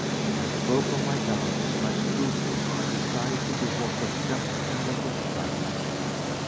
I spoke of my doubts, my scruples, my desire to do what was just and what was right.